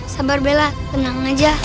sabar bella tenang aja